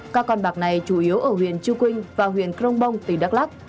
các con bạc này chủ yếu ở huyện chư quynh và huyện crong bông tỉnh đắk lắc